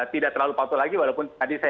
tidak terlalu patuh lagi walaupun tadi saya